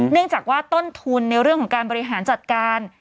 เนื่องจากว่าต้นทุนในเรื่องของการบริหารจัดการ